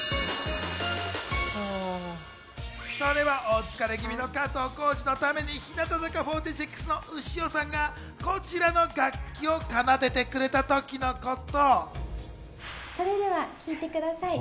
それはお疲れ気味の加藤浩次のために日向坂４６の潮さんが、こちらの楽器を奏でてくれたときのこと。